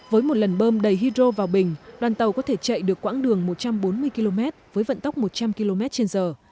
với một lần bơm đầy hydro vào bình đoàn tàu có thể chạy được quãng đường một trăm bốn mươi km với vận tốc một trăm linh km trên giờ